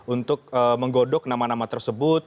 untuk menggodok nama nama tersebut